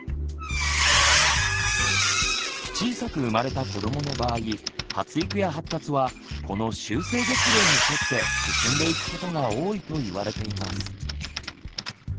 小さく生まれた子どもの場合発育や発達はこの修正月齢に沿って進んでいくことが多いと言われています。